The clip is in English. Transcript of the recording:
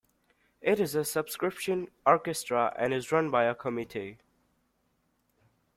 It is a subscription orchestra and is run by a committee.